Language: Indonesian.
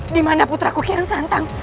dimana putra kukian santang